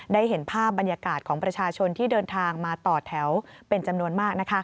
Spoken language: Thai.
ได้เห็นภาพบรรยากาศของประชาชนที่เดินทางมาต่อแถวเป็นจำนวนมาก